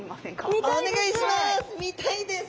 お願いします！